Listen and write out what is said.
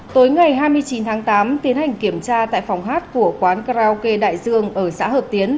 tối ngày hai mươi chín tháng tám tiến hành kiểm tra tại phòng hát của quán karaoke đại dương ở xã hợp tiến